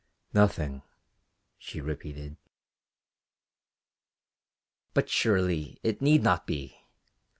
"Nothing," she repeated. "But surely it need not be.